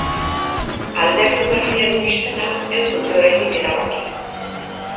Alderdi berriaren izena ez dute oraindik erabaki.